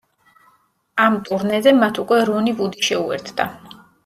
ამ ტურნეზე მათ უკვე რონი ვუდი შეუერთდა.